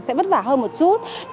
sẽ vất vả hơn một chút